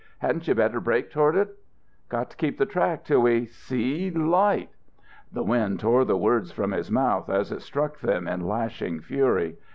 Hadn't you better break toward it?" "Got to keep the track 'til we see light!" The wind tore the words from his mouth as it struck them in lashing fury.